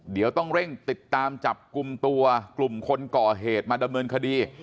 เดี๋ยวต้องเร่งติดตามจับกลุ่มตัวกลุ่มคนก่อเหตุมาดำเนินคดี